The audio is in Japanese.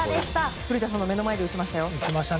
古田さんの目の前で打ちましたよ。